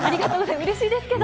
うれしいですけど。